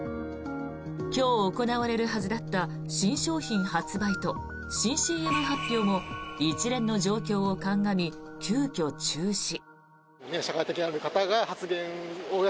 今日行われるはずだった新商品発売と新ＣＭ発表も一連の状況を鑑み、急きょ中止。